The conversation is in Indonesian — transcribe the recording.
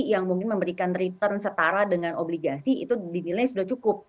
yang mungkin memberikan return setara dengan obligasi itu dinilai sudah cukup